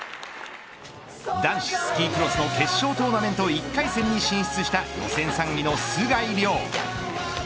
男子スキークロスの決勝トーナメント１回戦に進出した予選３位の須貝龍。